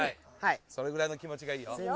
それくらいの気持ちがいいよ。